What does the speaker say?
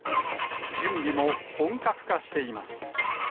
準備も本格化しています。